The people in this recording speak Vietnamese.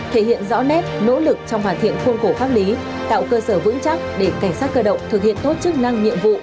thể hiện rõ nét nỗ lực trong hoàn thiện khuôn khổ pháp lý tạo cơ sở vững chắc để cảnh sát cơ động thực hiện tốt chức năng nhiệm vụ